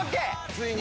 ついに。